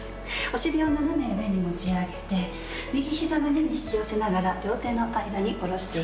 お尻を斜め上に持ち上げて右膝胸に引き寄せながら両手の間に下ろしていきましょう。